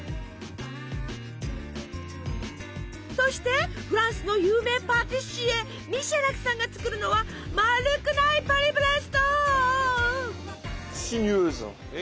そしてフランスの有名パティシエミシャラクさんが作るのはまるくないパリブレスト！